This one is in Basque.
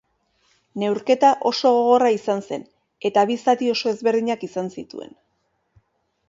Neurketa oso gogorra izan zen eta bi zati oso ezberdinak izan zituen.